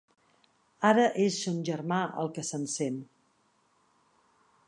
Ara és son germà el que s'encén.